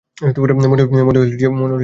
মনে হইল যেন আলো যথেষ্ট নাই।